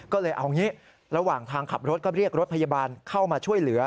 ก็เลยเอางี้ระหว่างทางขับรถก็เรียกรถพยาบาลเข้ามาช่วยเหลือ